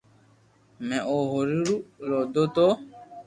مي او ھوري رو لودو تو